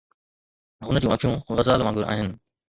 هن جون اکيون غزال وانگر آهن